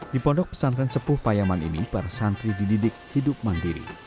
di pondok pesantren sepuh payaman ini para santri dididik hidup mandiri